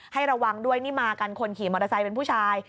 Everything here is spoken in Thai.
ให้ระวังด้วยนี่มากันคนขี่มอเตอร์ไซค์เป็นผู้ชาย